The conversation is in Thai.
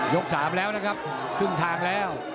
๓แล้วนะครับครึ่งทางแล้ว